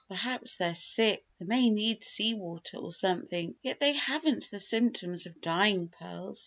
Perhaps they're 'sick'. They may need sea water, or something. Yet they haven't the symptoms of 'dying' pearls.